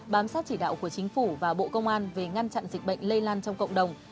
bám sát chỉ đạo của chính phủ và bộ công an về ngăn chặn dịch bệnh lây lan trong cộng đồng